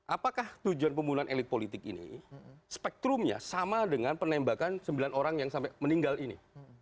apakah tujuan pembunuhan elit politik ini spektrumnya sama dengan penembakan sembilan orang yang sampai meninggal ini